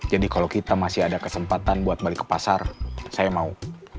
jadi kalau kita masih ada kesempatan buat balik ke pasar saya mau